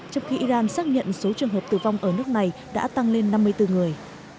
trong khi iran xác nhận số trường hợp tử vong ở nước này đã tăng lên năm mươi bốn người